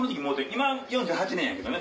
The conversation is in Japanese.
今４８年やけどね。